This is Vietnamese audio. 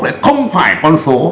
lại không phải con số